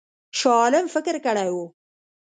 شاه عالم فکر کړی وو.